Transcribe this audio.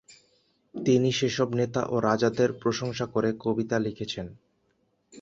তিনি সেসব নেতা ও রাজাদের প্রশংসা করে কবিতা লিখেছেন।